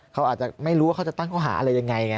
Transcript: เขาอาจจะไม่รู้ว่าเขาจะตั้งข้อหาอะไรยังไงไง